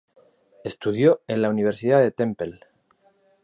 Estudió en la Universidad de Temple.